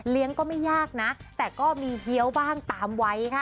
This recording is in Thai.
ก็ไม่ยากนะแต่ก็มีเฮี้ยวบ้างตามวัยค่ะ